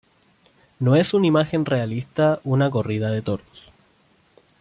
No es una imagen realista de una corrida de toros.